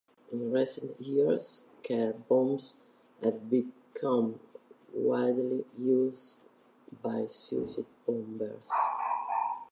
In recent years, car bombs have become widely used by suicide bombers.